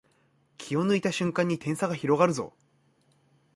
気を抜いた瞬間に点差が広がるぞ